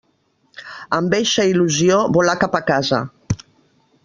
Amb eixa il·lusió volà cap a casa.